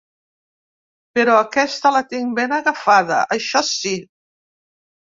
"Però aquesta la tinc ben agafada, això sí!"